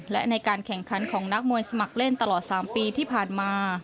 และในการแข่งขันของนักมวยสมัครเล่นตลอด๓ปีที่ผ่านมา